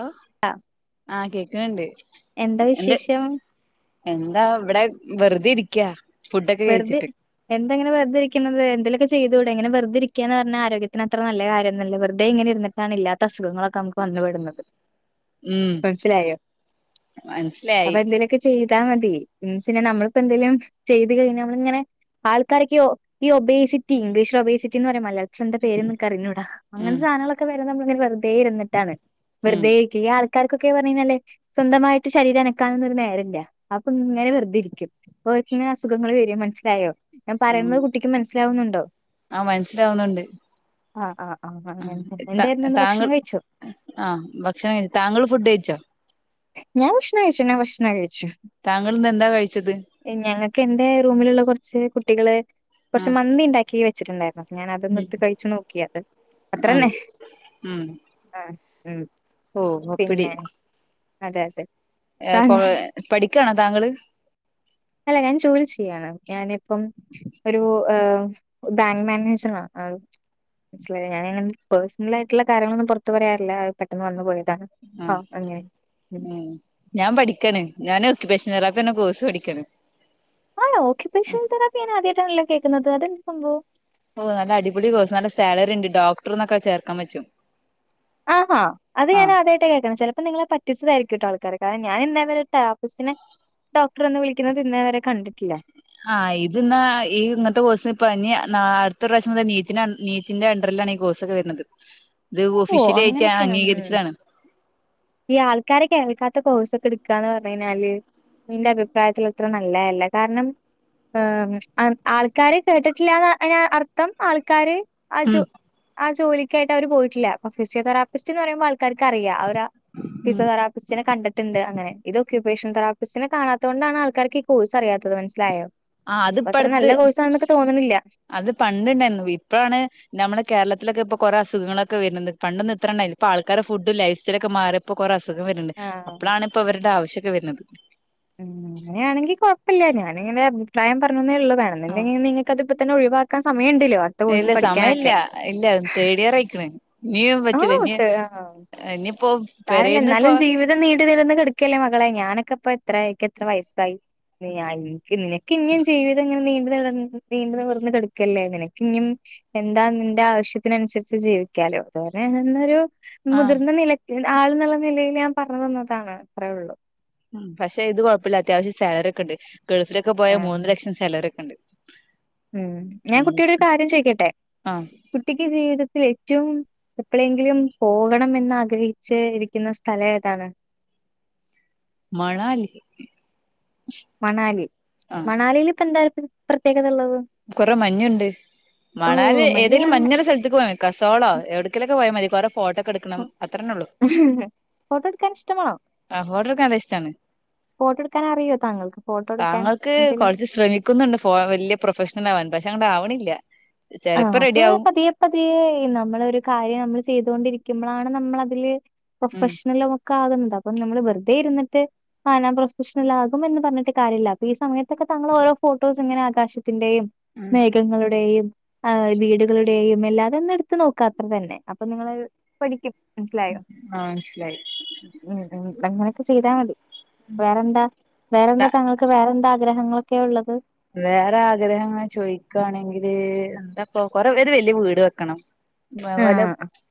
Hello ആ ആഹ് കേക്കുന്ന്ണ്ട് എന്ത എന്താ ഇവിടെ വെറുതെ ഇരിക്കാ ഫുഡൊക്കെ കഴിച്ചിട്ട് അങ്ങനെ വെറുതിരിക്കുന്നത് ന്തേലൊക്ക ചെയ്തൂടെ ഇങ്ങനെ വെറുതെ ഇരിക്കാന്ന് പറഞ്ഞാ ആരോഗ്യത്തിന് അത്ര നല്ല കാര്യൊന്നല്ല വറുതെ ഇങ്ങനെ ഇരുന്നിടാണ് ഇല്ലാത്ത അസുഖ നമുക്ക് വന്നു പെടുന്നത് ഉം മനസിലായോ മനസ്സിലായി അപ്പൊ എന്തലൊക്കെ ചെയ ത്താ മതി ന്ന്ച്ചാ നമ്മളിപ്പന്തേലും ചെയ് നമ്മളിങ്ങനെ ആൾക്കാര്ക്ക് ഈ ഒബേസിറ്റി ഇംഗ്ലീഷില് ഒബേസിറ്റി എന്ന് പറയാ മല ഭക്ഷന്റെ പേര് നിക്ക അറിഞ്ഞൂട ഉം അങ്ങനത്തെ സാധനങ്ങളൊക്കെ വരെ നമ്മ തെ ഇരുന്നിട്ടാണ് വെറുതെ ഇ ക്കാർക്കൊക്കെ പറഞ്ഞു കഴിഞ്ഞാല്ലേ സ്വന്തമായിട്ട് ശരീരം അനക്കാനൊന്നും ഒരു നേരല്ല അപ്പൊ ഇങ്ങനെ വെറുതെ ഇരിക്കും അവർക്ക് ഇങ്ങനെ അസ സുഖങ്ങള് വരും മനസിലായോ ഞാൻ ഉം പറയുന്നത് കുട്ടിക്ക് മനസ്സിലാവുന്നുണ്ടോ ആഹ് ആ ആ അങ്ങനെ തന്നെ ആ എന്തായിരുന്നു ഇന്ന് ഭക്ഷണം താങ്കൾ കഴിച്ചോ ആ ഭക്ഷണം കഴിച്ച താങ്കൾ ഫുഡ് കഴിച്ചോ ഞാൻ ഭഷണം കഴിച്ചു ഞാൻ ഭക്ഷണം കഴിച്ചു. താങ്കൾ ഇന്ന് എന്താ കഴിച്ചത് ഞങ്ങൾക്ക് എന്റെ റൂമിലുള്ള കുറച്ച് കുട്ടികളെ കുറച്ച് ആഹ് മന്തി ഉണ്ടാക്കി വെച്ച [inaudible] ഞാൻ അത് നിർത്ത് കഴിച്ചു നോക്കിയത് ഉം അത്രന്നെ ആ ഉം ഓ അപ്പടി പിന്നെ അതെ അതെ ഏഹ് കൊ പഠിക്കാണോ താങ്കള് അല്ല ഞാൻ ജോലി ചെയ്യാണ് ഞാനിപ്പം ഒരു ഏ ബാങ്ക് മാനേജർ ആ മനസിലായി ഞാനി പേഴ്സണൽ ആയിട്ടുള്ള കാര്യങ്ങളൊന്നും പുറത്ത് പറയാറില്ല പെട്ടെന്ന് വന്നു പോയതാ ആ ആഹ് അങ്ങനെ ഉം ഞാൻ പഠിക്കാണ് ഞാന [inaudible] കോഴ്സ് പഠിക്കണ് ആ ഓക്കെ പെൻഷൻ [inaudible] ണല്ലോ കേൾക്കുന്നത് അതെന്ത് സംഭവം ഓ നല്ല അടിപൊളി കോഴ്സ് നല്ല സാലറി ഉണ്ട് ഡോക്ടർന്നൊക്കെ ചേർക്കാൻ പറ്റും ആ അത് ഞാൻ ആഹ് ആദ്യമായിട്ട് കേൾക്കണ ചിലപ്പോ നിങ്ങളെ പറ്റിച്ചതായിരിക്കും കേട്ടോ ആൾക്ക് കാരണം ഞാൻ ഇന്നേ വരെ സ്റ്റാഫിസിനെ ഡോക്ടറെന്ന് വിളിക്കുന്നത് ഇന്നേ വരെ കണ്ടിട്ടില്ല ആ ഇത് ഇന്നാ ഈ ഇന്നത്തെ കോഴ്സ്പ്പറഞ് അടുത്ത പ്രാവശ്യം മുതൽ നീ നീറ്റിന്റെ അണ്ടറിലാണ് ഈ കോഴ്സൊക്കെ വരുന്നത് ഇത് ഓ ഒഫീഷ്യലി ആയിട്ട് അങ്ങനെയൊക്കെയാണ് ഉ അംഗീകരിച്ചതാണ് ഈ ആൾക്കാരെ കേൾക്കാ ഇങ്ങനത്തെ കോഴ്സ് ഒക്കെ എടുക്കുക്കാന് പറഞ്ഞ് കഴിഞ്ഞാല് നിന്റെ അഭിപ്രായത്തിൽ അത്ര നല്ലതല്ല കാരണം ആൾക്കാർ കേട്ടിട്ടില്ലന്ന് അർത്ഥം ആൾക്കാർ ഉം അജു [inaudible] ജോലിക്കായിട്ട് അവർ പോയി ഇല്ല ഫിസിയോതറാപ്പിസ്റ്റ് എന്ന് പറയുമ്പോ ആൾക്കാർ അറിയാം ആ ഉം ഫിസിയോതറാപിസ്റ്റിനെ കണ്ടിട്ടുണ്ട് അങ്ങനെ ഇതൊക്കെ ഫിസിയോതറാസ്റ്റിപിനെ കാണത്ത ത് കൊണ്ടാണ് ആൾക്കാർ ഈ കോഴ്സ് അറിയാത്തത് മനസ്സിലായോ ആ അപ്പൊ അതിപ്പോ അത്ര അടുത്ത് നല്ല കോഴ്സാണെന്നൊക്കെ തോന്നണില്ല അത് പണ്ടു ഉണ്ടായിരുന്നു ഇപ്പോഴാണ് നമ്മൾ കേരളത്തിലൊക്കെ ഇപ്പൊ കുറെ അസുഖങ്ങളൊക്കെ വരണുണ്ട്, പണ്ടൊന്ന് ഇത്ര ഒണ്ടാര് ഇപ്പൊ ആൾക്കാരടെ ഫുഡ് ലൈഫ് സ്റ്റൈൽ ഒക്കെ മാറിയപ്പോ കുറെ ആ, ഉം, വരുന്നത് അങ്ങനെയാണെങ്കി കൊഴപ്പില്ല എന്നാ നിങ്ങടെ അഭിപ്രായം പറഞ്ഞില്ലേ അങ്ങനെ തന്നെ ഉള്ള വേണം, ആഹ് എന്തെങ്കിലും നിങ്ങക്ക് അതിപ്പോ തന്നെ ഒഴിവാക്കാൻ സമയം ഉണ്ടല്ലോ അടുത്ത ഇല്ല കോഴസ് സമയല്ല പഠിക്കാനൊക്കെ. ഇല്ല തേർഡ് ഇയർ ആയിക്കണ് ഇനിയും പറ്റില്ല, ഇനി ഇപ്പോ, സാരല്ലേ പെരേന്ന് എന്നാലും ജീവിതം നീണ്ട് നിവർന്ന് കിടക്കയല്ലേ മകളെ ഇങ്ങെനെ. ഞാനൊക്കെപ്പൊ എത്രയി എനിക്ക് എത്ര വയസ്സായി. നിയ നിനക്ക് ഇനിയും ജീവിതം ഇങ്ങനെ നീണ്ട് നീണ്ട് നിവർന്ന് കിടക്കല്ലേ നിനക്ക് ഇനിയും എന്താ നിന്റെ ആവശ്യത്തിന് അനുസരിച്ച് ജീവിക്കാലോ വേറെ [unintelligible] ന്നൊരു ആഹ് മുതിർന്ന നിലക്ക് ആൾ എന്നുള്ള നിലയിൽ ഞാൻ പറഞ്ഞു തന്നതാണ് അത്രയൊള്ളു. ഉം പക്ഷെ ഇത് കൊഴപ്പല്ലാത്തെയാ അത്യാവശ്യം സാലറി ഒക്കെ ഉണ്ട് ഗൾഫിലൊക്കെ പോയ ആഹ് മൂന്ന് ലക്ഷം സാലറി ഉണ്ട് ഉം ഞാൻ കുട്ടിയോട് ഒരു ഉം കാര്യം ചോയിക്കട്ടെ ആഹ് കുട്ടിക്ക് ജീവിത ത്തിൽ ഏറ്റവും എപ്പളെങ്കിലും പോകണമെന്ന് ആഗ്രഹിച്ച ഇരിക്കുന്ന സ്ഥലം ഏതാണ്? മണാലി മണാലി, മണാലീല് ഇപ്പ എന്താ [unintelligible] കുറെ മഞ്ണ്ട് ഓഹ്! മണാലി മഞ്ഞ് ഏതെങ്കിലും കാണാൻ മഞ്ഞുളള സ്ഥലത്തേക്ക് പോയ്ക്കോ സോളോ എവ്ട്കെങ്കിലൊക്കെ പോയാ മതി. ഫോട്ടക്കെ എടുക്കണം അത്രന്നെ ഒള്ളു ഫോട്ടോ എടുക്കാൻ ഇഷ്ടമാണോ? ഫോട്ടട്ക്കാൻ നല്ല ഇഷ്ടാണ്. ഫോട്ടോ എടുക്കാൻ അറിയോ താങ്കൾക്ക്? ഫോട്ടോ എടുക്കാൻ ഞങ്ങക്ക് എന്തേലും കോർച്ച് ശ്രമിക്കുന്നുണ്ട് [unintelligible] ഫഷണൽ ആവാൻ പക്ഷെ അങ്ങട്ട് ആവ്ണില്ല ആ അത് പതിയെ പതിയെ നമ്മളൊരു കാര്യം നമ്മള് ചെയ്തൊണ്ടിരി ഇരിക്കുമ്പളാണ് നമ്മള് അതില് ഉം [unintelligible] അപ്പ നമ്മള് വെറുതെ ഇരുന്നിട്ട് ഞാൻ പ്രൊഫഷണൽ ആകും എന്ന് പറഞ്ഞിട്ട് കാര്യമില്ല. ഈ സമയത്തൊക്കെ [unintelligible] ത്തിന്റെയും ഉം മേഘങ്ങളുടെയും ആ വീടുകളുടെയും എല്ലാ ഒന്ന് എടുത്ത് നോക്കാ അത്ര തന്നെ അപ്പ നമ്മളത് പഠിക്കും. മനസ്സ്ലായോ ആഹ് മനസ്സിലായി ഉം, ഉം ഞങ്ങള് ചെയ്താ മതി വേറെന്താ വേറെന്താ താങ്കൾക്ക് വേറെന്താ ഗ്രഹങ്ങളൊക്കെ ഉള്ളത് വേറെ ആഗ്രഹം അങ്ങനെ ചോയ്ക്കാണെങ്കില് എന്താപ്പോ കൊറെ ഒര് വല്യ വീട് വെക്കണം തെ ആ പോലെ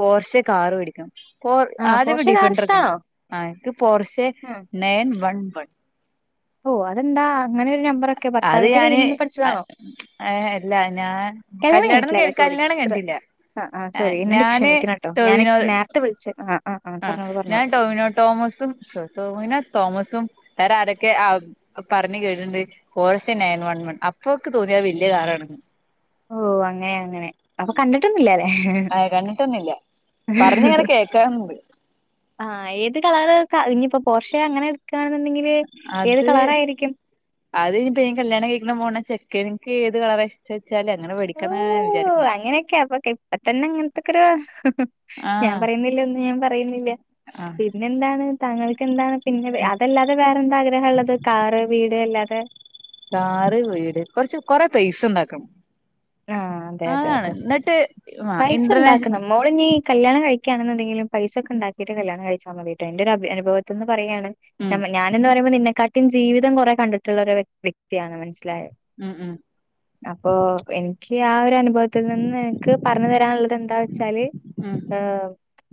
പോർഷ് കാറ് മേടിക്കണം പോർ ആ ആദ്യ പോഷകാഹാരം ഡിഫൻറൊക്കെ ഇഷ്ടാണോ? ആക്ക് പോർച്ചെ ഉം. നയൻ വൺ പൺ ഓഹ് അതെന്താ അങ്ങനൊരു നമ്പറൊ അത് ഞാന് അ ഏഹ് ല്ല നാൻ കല്യാണം കല്യാണൊന്നും കെ കഴിഞ്ഞിട്ടില്ലല്ലേ? സോറി. കല്യാണം സർ കഴിഞ്ഞിട്ടില്ല. ആ ആ എ സോറി എന്നോട് നാന് ക്ഷമിക്കണംട്ടോ. ഞാന് ടൊവിനോ നേരത്തെ വിളിച്ച് ആ ആ ആ ആഹ് പറഞ്ഞോളൂ ഞാൻ പറഞ്ഞോളൂ. ടൊവിനോ ടോമസുംസോ ടൊവിനോ തോമസും തേര ആരൊക്കെ ആ പറഞ് കേട്ട്ണ്ട് പോറസന്നേയൻ ആയ വൺ വൺ അപ്പൊക് തോന്നിയത് വല്യയ കാറാണെന്ന് ഓഹ് അങ്ങനെ അങ്ങനെ അപൊ കണ്ടിട്ടൊന്നില്ലലെ. ഏ കണ്ടിട്ടൊന്നില്ല പറഞ്ഞിങ്ങനെ കേക്കാറുണ്ട് ആഹ് ഏത് കളറ് ക ഇഞിപൊ പോർഷെ അങ്ങനെ എടുക്കുകയാണെന്നുണ്ടെങ്കില് ഏത് അത് കളറായിരിക്കും? അത് ഇനിയിപ്പ ഞാൻ കല്യാണം കഴിക്കണ പോണ ചെക്കന് ക്കേത് കളറാ ഇഷ്ടച് ഓഹ് അങ്ങനെയൊക്കെ അപ്പൊ കി ഇപ്പ തന്നെ ഇങ്ങൻത്തൊക്കൊരു ഞാൻ ആഹ് പറയുന്നില്ല ഒന്നും, ഞാൻ പറയുന്നില്ല ആഹ് പിന്നെന്താണ് താങ്കൾക്ക് എന്താണ് പിന്നെ വെ അതല്ലാതെ വേറെന്താഗ്രഹാള്ളത് കാറ് വീട് അല്ലാതെ. തെഹ് കാറ് വീട് കൊറച്ച് കൊറെ പൈസ്സണ്ടാക്കണം ആഹ് അതെ അതെ അതെ ആ ഇന്റർനാഷ പൈസണ്ടാക്കണം മോളിഞ്ഞീ- കല്യാണം കഴിക്കാണ്ന്ന് ണ്ടെങ്കിലും പൈസക്ക ഇണ്ടാകീട്ട് കല്യാണം കഴിച്ചമതീട്ടൊ ഇന്റൊരബി അനുവത്ത്ന്ന്- പറയാണ് ഉം ഞമ്മ ഞാന് ന്ന് പറയുമ്പൊ നിന്നെക്കാട്ട് തിൻ ജീവിതം കൊറെ കണ്ടിട്ട്ള്ള ഒരു വ്യക് വ്യക്തിയാണ് മനസ്സിലായ- ഉംഉം അപ്പോ എൻക്ക് ആ ഒരനുഭവത്ത്നിന്ന് എൻക് പറഞ്ഞ് തരാന്ള്ളത് എന്താവെ- ച്ചാല് ഉം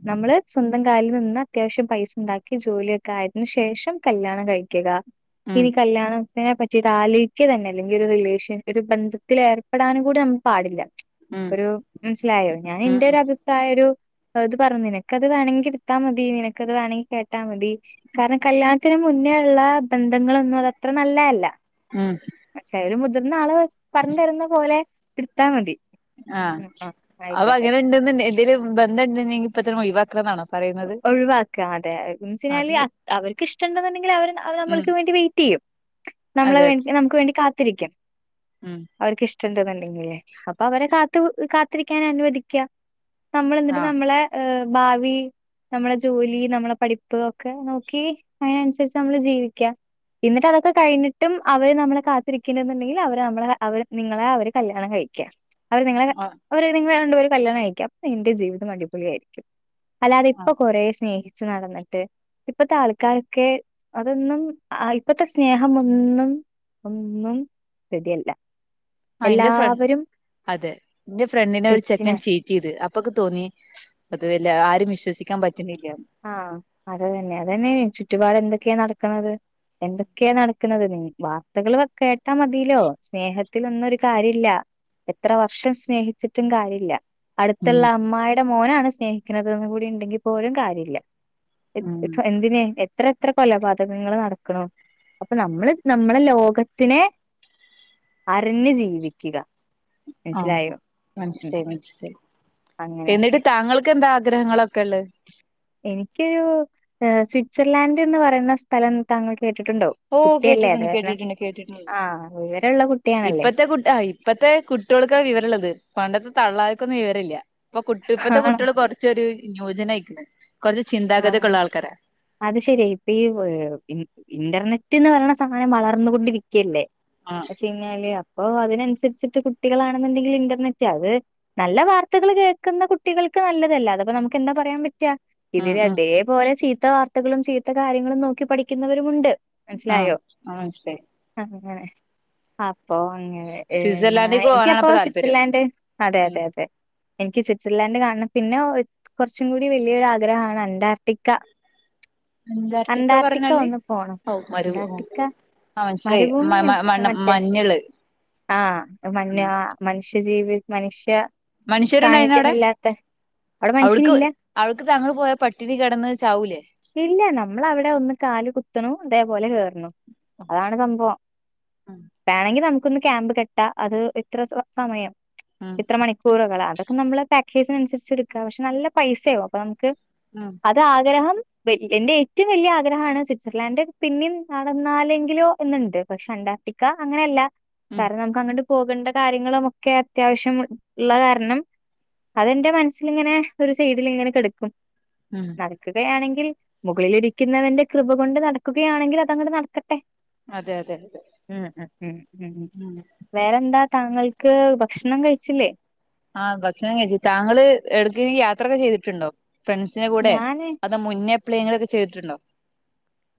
നമ്മള് സ്വന്തം കാല് നിന്ന അത്യാവശ്യം പൈസണ്ടാക്കി ജോലൊക്കായതിന് ശേഷം കല്യാണം കഴിക്ക്ക ഉം ഇനി കല്ല്യാണം തിനെ പറ്റീട്ടാലോയ്ക്ക്യ തന്നെ ഇല്ലെങ്കി ഒരു റിലേഷൻ ഒരു ബന്ധത്തിലേറിം പെടാനും കൂടി നമ്മ പാടില്ല ഉം ഒരൂ മൻസ്സിലായോ ഞാൻ എന്റെ ഉം ഒരു അഭിപ്രായം ഒരൂ അത് പറഞ്ഞു നിനക്കത് വേണെങ്കി ഇട്ത്താ മതി നിനക്കത് വേണെങ്കി കേട്ടാ മതി കാരണം കല്യാൺ ത്തിന് മുന്നേള്ള ബന്ധങ്ങളൊന്നും അതെത്ര നല്ല അല്ല ഉം പക്ഷെ ഒരു ബു വെരുന്നാള് പർഞ്ഞ് തരുന്ന പോലെ ഇട്താ മതി. ആഹ് ഉം ആ ആയിക്കോട്ടെ അവങ്ങനെ ഇണ്ട്ന്ന്ണ്ടെ ഇതില് ബന്ധം ണ്ട്ന്നങ്കി ഇപ്പതന്നെ ഒഴിവാ [unintelligible] ഒ ഒഴിവാക്കാതെ അതെ [unintelligible] അവര്ക്ക് ഇഷ്ടണ്ട്ന്ന്ണ്ടെങ്കില് അവര് ന്ന അവര് ഉം അമ്മൾക്ക് വേണ്ടി വെയിറ്റെയ്യും. നമ്മളെ അതെ വേണ്ടി അതെ നമുക്ക് വേണ്ടി കാത്തിരിക്കും. ഉം അവര്ക്കിഷ് റ്റ്ണ്ട്ന്നെന്റെങ്കിലേ പണ്ടണ്ടെങ്കേ അപ്പൊ അവരെ കാത് വ് കാത്തിരിക്കാൻ അനുവദിക്ക. നമ്മളന്നിട്ട് ആഹ് നമ്മളെ ഏഹ് ഭാവി നമ്മളെ ജോലി നമ്മളെ പഠിപ്പ് ഒക്കെ നോക്കി അയിനൻസരിച്ചമ്മള് ജീവിക്ക. എന്നിട്ട് അതൊക്കെ കഴിഞ്ഞിട്ടും അവര് നമ്മളെ കാത്തിരിക്ക്ണ്ട്ന്ന്ണ്ടെങ്കിൽ അവരെ അമ്മളെ അവർ നിങ്ങളെ അവര് കല്യാണം കഴിക്ക. അവര് നിങ്ങളെ ഹെ ആഹ് അവര് നിങ്ങ കല്യാണം അ നിന്റെ ജീവിതം അടിപൊളിയ ആരിക്കും അല്ലാതെ ഇപ്പൊ ആഹ് കൊറേ സ്നേഹിച്ച് നടന്നിട്ട് ഇപ്പത്തെ ആൾക്കാർക്ക് അതൊന്നും ഇപ്പത്തെ സ്നേഹമൊന്നും ഒന്നും റെഡിയല്ല ആ എന്റെ ഫ്ര അതെ എന്റെ ഫ്രണ്ടിനെ ഒരു ചെക്കൻ തെറ്റിന് ചീറ്റ് ചെയ്ത് ഇപ്പൊക്കെ തോന്നി അത് വല്ല ആരും വിശ്വസിക്കാൻ പറ്റ ആഹ അത തന്നെ അതന്നെ ചുറ്റുപാട് ക്കെയ നടക്കുന്നത് എന്തൊക്കെയാ നടക്കുന്നത് നീ വാർത്തകൾ കേട്ടാ മതിലോ സ്നേഹത്തിൽൊന്നും ഒരു കാര്യ ഇില്ല എത്ര വർഷം സ്നേഹിച്ചിട്ടും കാര്യമില്ല ഉം അടുത്തുള്ള അമ്മായിയുടെ മോനാണ് സ്നേഹിക്കുന്നതെന്ന് കൂടി ഉണ്ടെങ്കിൽ പോലും കാര്യം ഇല്ല ഉം എന്തിനെ എത്ര എത്ര കൊലപാതകങ്ങൾ നടക്ക്ണ് അപ്പൊ നമ്മള് നമ്മളെ ലോകത്തിനെ അറിഞ്ഞഞ് ജീവിക്കുക ആ മനസ്സിലായോ ഉം എന്നിട്ട് അങ്ങനെയൊക്കെ താങ്കൾക്ക് എന്താ ഗ്രഹങ്ങളൊക്കെ ഉള്ള എനിക്കൊരു സ്വിറ്റ്സർലാൻഡ് എന്ന് പറയുന്ന സ്ഥലം താങ്കൾക്ക് ഓ കേട്ടിട്ടുണ്ട് കേട്ടിട്ടുണ്ട് കേട്ടിട്ടുണ്ട് ആഹ് വിവരള്ള കുട്ടിയാണല്ലേ ഇപ്പത്തെ കുട്ട ഇപ്പത്തെ കുട്ടികൾക്കാണ് വിവര ഉള്ളത് പണ്ടത്തെ തള്ളാര്കൊന്നും വിവരല്ല ഇപ്പൊ കുട്ട ഇപ്പഴത്തെ ആണോ കുട്ടികള് കൊറച്ചൊരുന്യൂജനായി ഉ [unintelligible] ആ അത് ശരി ഇപ്പ ഈ ഇന്റർനെച്ച് നെ നെറ്റ് വരണ സാധനം വളർന്നുകൊണ്ടിരിക്കല്ലേ ആഹ് ചങ്ങാല [inaudible] ഓ അതിനനുസരിച്ചിട്ട് കുട്ടികളാണെന്നുണ്ടെങ്കിൽ ഇന്റർനെറ്റ് അത് നല്ല വാർത്തകൾ കേൾക്കുന്ന കുട്ടികൾക്ക് നല്ലതല്ല അതപ്പ നമുക്ക് എന്താ പറയാൻ പറ്റിയ ഉം ഇതിന് ഉം അതേപോലെ സീ ഇത്ത വാർത്തകളും ചീത്ത കാര്യങ്ങളും നോക്കി പഠിക്കുന്നവരുമുണ്ട് ആഹ ആ ശരി അ അപ്പോ ഇങ്ങനെ ഏഹ് ഞാൻ സ്വിറ്റ്സർലാൻഡേക്ക് പോകാനാണ് എനിക്കപ്പോ ഇപ്പൊ താല്പര്യം സ്വിറ്റ്സർലാൻഡ് അതെ ഉം അതെ അതെ എനിക്ക് സ്വിറ്റ്സർലാൻഡ് കാണണം പിന്നെ കുറച്ചും കൂടി വലിയൊരു ആഗ്രഹം ആഗ്രഹമാണ് അന്റാർട്ടിക്ക അന്റാർട്ടിക്ക ഒന്ന് പോണം ഔ മരു അറാർട്ടിക്ക ആ മനസ്സിലായി മ മ മരുഭൂമില്ല മണ്ണ് മറ്റേ മഞ്ഞള് ആഹ് മഞ്ഞ് മനുഷ്യജീവി മനുഷ്യ മനുഷ്യരുണ്ടായിന്നു അവിടെ സാന്നിധ്യമില്ലാത്ത അവിടെ അവടക്ക് മനുഷ്യനില്ല അവടക്ക് തങ്ങൾ പോയ പട്ടിണി കിടന്ന് ചാവൂലേ ഇല്ല നമ്മളവിടെ ഒന്ന് കാല് കുത്തുണു അതേപോലെ കേയറണു ഉം അതാണ് സംഭവം വേണെങ്കിൽ നമുക്ക് ഒന്ന് ക്യാമ്പ് കെട്ടാ അത് ഇത്ര സമയം ഉം ഇത്ര മണിക്കൂറ്കള് അതക്കെ അപ്പ നമ്മള് പാക്കേജിന് അനുസരിച്ച് എടുക്ക പക്ഷെ നല്ല പൈസയാകു അപ്പൊ നമുക്ക് ഉം അത് ആഗ്രഹം പ് എൻ്റെ ഏറ്റം വലിയ ആഗ്രഹമാണ് സ്വിറ്റ്സർലാൻഡ് പിന്നും നടന്നാലെങ്കിലോ എന്നുണ്ട് പക്ഷെ അന്റാർട്ടിക്ക അങ്ങനെയല്ല ഉം കാരണം നമുക്ക് അങ്ങ്ട് പോകേണ്ട കാര്യങ്ങളുമൊക്കെ അത്യാവശ്യം ഉള്ള കാരണം അതെന്റെ മനസ്സിൽ ഇങ്ങനെ ഒരു സൈഡിൽ ഇങ്ങനെ കിടക്കും ഉം നടക്കുകയാണെങ്കിൽ മുകളിരിക്കുന്നവന്റെ കൃപ കൊണ്ട് നടക്കുകയാണെങ്കിൽ അതങ്ങോടെ നടക്കട്ടെ അതെ അതെ അതെ ഉം ഉം ഉം ഉം വേറെന്താ താങ്കൾക്ക് ക്ക് ഭക്ഷണം കഴിച്ചില്ലേ? ആഹ് ഭക്ഷണം കഴിച്ചി. താങ്കള് എടക്ക യാത്രയൊക്കെ ചെയ്തിട്ടുണ്ടോ? ഫ്രണ്ട്സിനന്റെ കൂടെ ഞാന് അതോ മുന്നേ പ്ലെങ്ങൊക്കെ ചെയ്തിട്ടുണ്ടോ?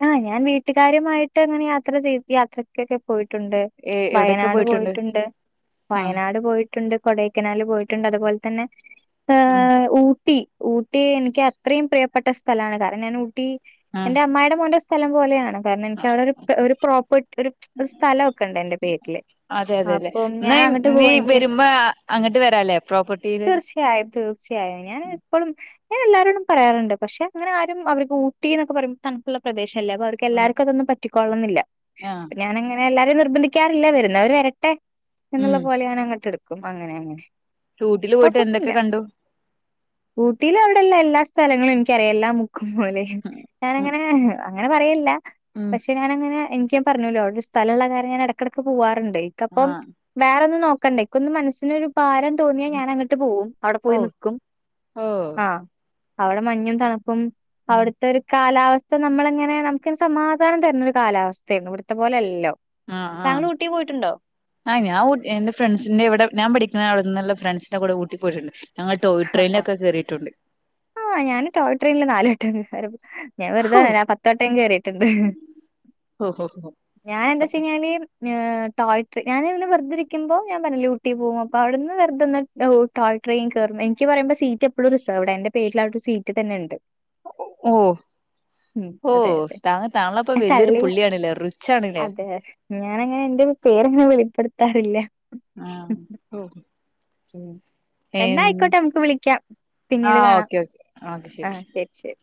ആഹ് ഞാൻ വീട്ടുകാരുമായിട്ട് അങ്ങനെ യാത്ര ചെയ് യാത്രക്കൊക്കെ പോയിട്ട് ട്ടുണ്ട് ഏ എവിടെയൊക്കെ വയനാട് പോയിട്ടുണ്ട് ആ വയനാട് പോയിട്ടുണ്ട്, കൊടയ്ക്കനാൽ പോയിട്ടുണ്ട് ട്ടുണ്ട് അതുപോലെ തന്നെ ഉം ഏഹ് ഊട്ടി ഊട്ടി ഊട്ടി എനിക്ക് അത്രയും പ്രിയപ്പെട്ട സ്ഥലമാണ് കാരണം ഞാൻ ഊട്ടി ട്ടി ഉം എന്റെ അമ്മായിടെ സ്ഥലം പോലെയാണ് കാരണം എനിക്ക് അവിടെ ഒരു ഒരു പ്രോപ്പർ ഒരു ഒരു സ്ഥലമൊക്കെ ഉണ്ട് എന്റെ പേരില് അതെ അതെ അതെ അപ്പം എന്നാ ഞാൻ അങ്ങട്ട് ഇനി പോയി എനിക്ക് വരുമ്പോ അങ്ങട്ട് വരാല്ലേ പ്രോപ്പർട്ടിയില് തീർച്ചയായും തീർച്ചയായും ഞാൻ ഇപ്പോഴും ഞാൻ എല്ലാരോടും പറയാറുണ്ട് പക്ഷെ അങ്ങനെ ആരും അവർക്ക് ഊട്ടി എന്നക്കെ പറയുമ്പ ത ള്ള പ്രദേശം ല്ല അവ ആ എല്ലാർക്കും അതൊന്നും റ്റിക്കോളണന്നില്ല ആ ഞാനങ്ങന എല്ലാരും നിർബന്ധിക്കാറില്ല വരുന്നവർ വരട്ടെ എന്നുള്ള ഉം പോലെ ഞാൻ അങ്ങോട്ട്ടുക്കും ക്കുമ്പൊ അങ്ങനെ അങ്ങനെ ഊട്ടില് പോയിട്ട് എന്തൊക്കെ കൊഴ്പ്പൊന്നില്ല കണ്ടു ഊട്ടീല് അവിടെല്ലെല്ലാ സ്ഥലങ്ങൾ എനിക്കറിയെല്ലാം ലെ ഉം ഉം ഞാനങ്ങനെ ഏ അങ്ങനെ പറയല്ല ഉം പക്ഷെ ഞാനങ്ങനെ എനിക്ക് ഞാൻ പറഞ്ഞൂല്ലോ അവ്ടൊരു സ്ഥലള്ള കാര്യ ഞാൻ ഇടക്കെടക്ക് പോവാ റുണ്ട് ഇൻക്കപ്പം ആഹ് വേറൊന്നും നോ ക്കണ്ട ൻക്കൊന്ന് മനസ്സിനൊരു ഭാരം തോന്നിയാ ഞാൻ അങ്ങട്ട് പോവും അവിടെ ഓ പോയി നിക്കും ഓ ആഹ് അവിടെ മഞ്ഞും തണുപ്പും ഉം അവിടുത്തെ ഒരു കാലാവസ്ഥ സ്ഥ നമ്മളെങ്ങനെ നമുക്കൊരു സമാധാനം തരുന്ന ഒരു കാലാവസ്ഥയാണ് ഇവിടുത്തെ പോലെയല്ലല്ലോ ആ ആഹ് താങ്കൾ ഊട്ടി പോയിട്ടുണ്ടോ ആ ഞാൻ ഊ എന്റെ ഫ്രണ്ട്സിന്റെ ഇവിടെ ഞാൻ പഠിക്ക്ണ നല്ല ഫ്രണ്ട്സിനെ കൂടെ ഊട്ടി പോയിട്ടുണ്ട് ഞങ്ങൾ ടോയ് ഹാ ട്രെയിനിലൊക്കെ കേറിയിട്ടുണ്ട് ഹാ ഞാന് ടോയ് ട്രയിനില് നാല് [unintelligible] ഞാൻ ഹോ വെറുതർഞാ ഞാൻ പത്ത് വട്ടം കേറീട്ടുണ്ട് ഹോ ഹോ ഹോ ഞാൻ എന്താ വെച്ചാഴ്ഞ്ഞാല് ടോയ് ഞാനവിന്നെ വെർതിരിക്കുമ്പൊ ഞാൻ പർഞ്ഞിലൂട്ടി പോവും അപ്പവിടുന്ന് വെർതൊന്ന് ടോയ് ട്രെയിൻ കേറും എൻക്ക് പറയുമ്പോ സീറ്റ് എപ്പോഴും റിസർവ്ടാ എന്റെ പേരിലവിടൊരു സീറ്റ് തന്നെ ഉണ്ട് ഓ ഓ അതെ, അതെ. താങ്ക താങ്കളപ്പ ഞാൻ വല്യൊരു തള്ളി പുള്ളിയാണല്ലേ റിച്ച് ആണ്ല്ലേ അതെ. ഞാനങ്ങനെ എന്റെ പേരങ്ങനെ വെളിപ്പെടുത്താറില്ല ആഹ് ഓ ഉം എന്നായിക്കോട്ടെ നമുക്ക് വിളിക്കാം പിന്നീട് ആഹ് കാണാം ഓക്കെ ഓക്കെ ഓക്കെ ആഹ് ശരി ശരി